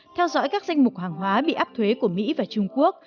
theo dõi các danh mục hàng hóa bị áp thuế của mỹ và trung quốc